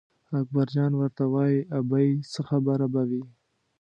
اکبرجان ورته وایي ابۍ څه خبره به وي.